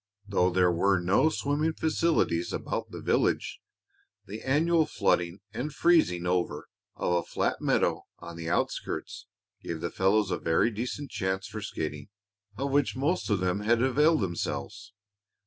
Though there were no swimming facilities about the village, the annual flooding and freezing over of a flat meadow on the outskirts gave the fellows a very decent chance for skating, of which most of them had availed themselves.